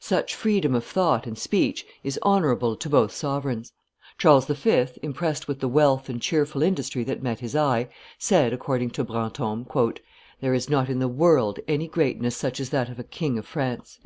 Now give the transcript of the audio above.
Such freedom of thought and speech is honorable to both sovereigns. Charles V., impressed with the wealth and cheerful industry that met his eye, said, according to Brantome, "There is not in the world any greatness such as that of a King of France."